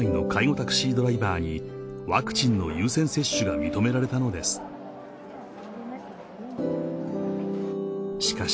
タクシードライバーにワクチンの優先接種が認められたのですしかし